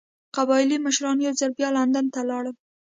قبایلي مشران یو ځل بیا لندن ته لاړل.